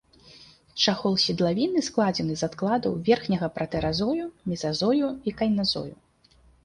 Чахол седлавіны складзены з адкладаў верхняга пратэразою, мезазою і кайназою.